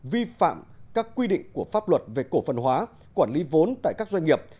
vi phạm các quy định của pháp luật về cổ phần hóa quản lý vốn tại các doanh nghiệp